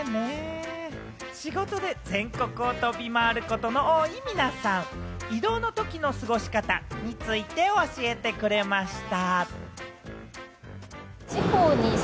仕事で全国を飛び回ることの多い皆さん、移動のときの過ごし方について教えてくれました。